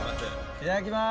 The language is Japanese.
いただきます。